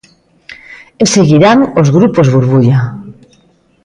E seguirán os grupos burbulla.